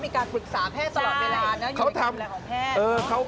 เพราะว่าพี่แมททิวบอกว่ามีการปรึกษาแพทย์ตลอดเวลา